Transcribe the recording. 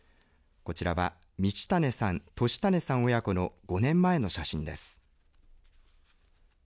こちらは行胤さん言胤さん親子の５年前の写真です。